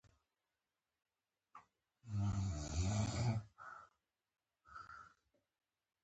د ښوونې او روزنې په سکتور کې پرمختګ محسوس و.